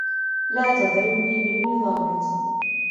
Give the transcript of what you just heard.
لا تضربني بالمِظلة.